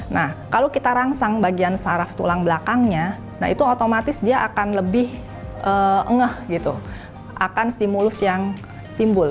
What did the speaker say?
nah kalau kita rangsang bagian saraf tulang belakangnya nah itu otomatis dia akan lebih ngeh gitu akan stimulus yang timbul